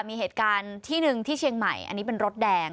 มีเหตุการณ์ที่หนึ่งที่เชียงใหม่อันนี้เป็นรถแดง